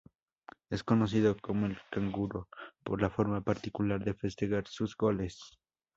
Es conocido como el "Canguro" por la forma particular de festejar sus goles.